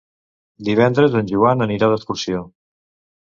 Divendres en Joan anirà d'excursió.